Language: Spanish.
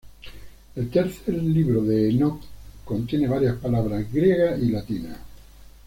El "Tercer Libro de Enoc" contiene varias palabras griegas y latinas.